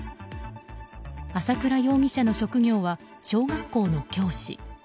朝倉容疑者の職業は小学校の教師。